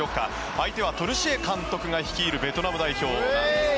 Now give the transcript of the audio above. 相手はトルシエ監督が率いるベトナム代表。